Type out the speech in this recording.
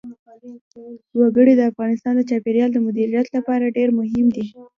وګړي د افغانستان د چاپیریال د مدیریت لپاره ډېر مهم دي.